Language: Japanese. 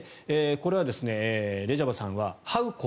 これはレジャバさんははう